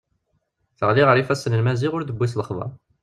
Teɣli ɣer yifassen n Maziɣ ur d-tewwi s lexber.